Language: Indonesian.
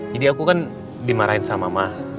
jadi aku kan dimarahin sama mah